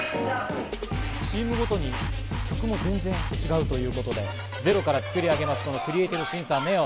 チームごとに違うということで、ゼロから作り上げます、クリエイティブ審査ＮＥＯ。